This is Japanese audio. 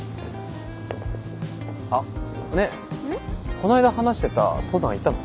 この間話してた登山行ったの？